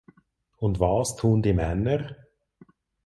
Und was tun die Männer?